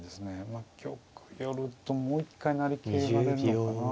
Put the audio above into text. まあ玉寄るともう一回成桂が出んのかな。